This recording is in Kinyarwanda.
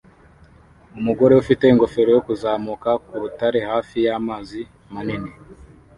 Umugore ufite ingofero yo kuzamuka ku rutare hafi y’amazi manini